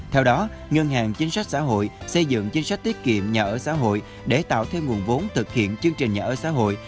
theo đó ngân hàng chính sách xã hội xây dựng chính sách tiết kiệm nhà ở xã hội để tạo thêm nguồn vốn thực hiện chương trình nhà ở xã hội